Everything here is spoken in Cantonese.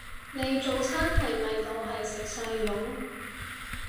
你早餐係咪就係食細蓉？